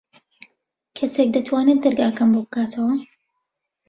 کەسێک دەتوانێت دەرگاکەم بۆ بکاتەوە؟